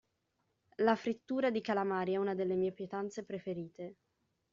La frittura di calamari è una delle mie pietanze preferite.